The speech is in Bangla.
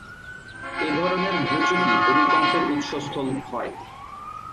এ ধরনের ভূচ্যুতি ভূমিকম্পের উৎসস্থল হয়।